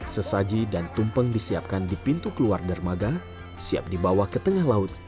sesaji dan tumpeng disiapkan di pintu keluar dermaga siap dibawa ke tengah laut